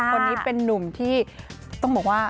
คนนี้เป็นนุ่มที่ต้องบอกว่า